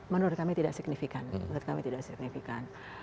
menurut kami tidak signifikan